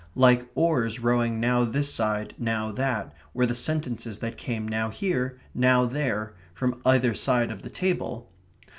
Like oars rowing now this side, now that, were the sentences that came now here, now there, from either side of the table.